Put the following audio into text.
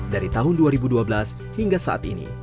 dari tahun dua ribu dua belas hingga saat ini